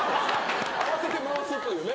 慌てて回すっていうね。